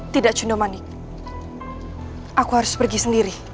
tidak cundomanik aku harus pergi sendiri